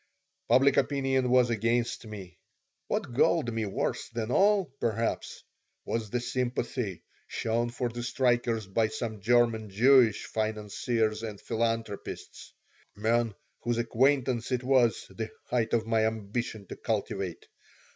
Public opinion was against me. What galled me worse than all, perhaps, was the sympathy shown for the strikers by some German Jewish financiers and philanthropists, men whose acquaintance it was the height of my ambition to cultivate.